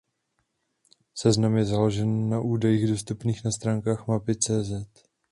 Seznam je založen na údajích dostupných na stránkách Mapy.cz.